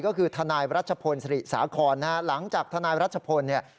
ก็คือทนายรัชพลศรีสาคอนนะฮะหลังจากทนายรัชพลเนี่ย